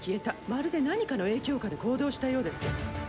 まるで何かの影響下で行動したようです。